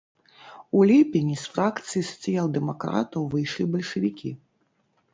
У ліпені з фракцыі сацыял-дэмакратаў выйшлі бальшавікі.